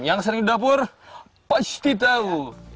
yang sering dapur pasti tahu